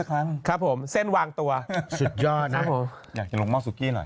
มันก็กินกับบูผู้เพื่อน